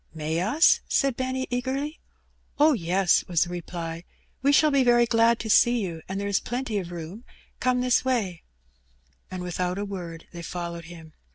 '^ May us?^' said Benny, eagerly. Oh, yes,^^ was the reply; ''we shall be very glad to jee you, and there is plenty of room; come this way/^ And without a word they followed him.